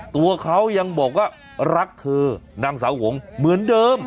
ตัวเขายังบอกว่ารักเธอนางสาวหวงเหมือนเดิม